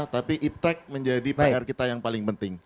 tapi iptec menjadi pagar kita yang paling penting